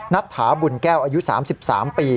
นัทถาบุญแก้วอายุ๓๓ปี